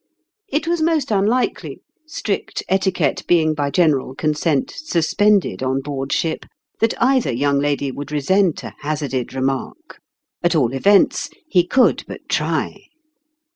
It w r as most unlikely, strict etiquette being by general consent suspended on board ship, that either young lady would resent a hazarded remark at all events, he could but try.